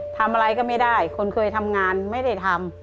ทำอะไรก็ไม่ได้คนเคยทำงานไม่ได้ทำ